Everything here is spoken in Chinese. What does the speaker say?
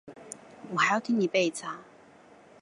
我还要听你背一次啊？